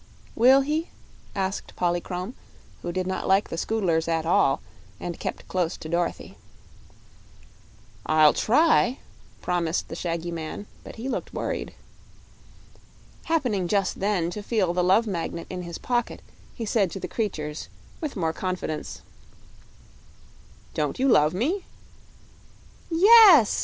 "Will he?" asked Polychrome, who did not like the Scoodlers at all, and kept close to Dorothy. "I'll try," promised the shaggy man; but he looked worried. Happening just then to feel the Love Magnet in his pocket, he said to the creatures, with more confidence: "Don't you love me?" "Yes!"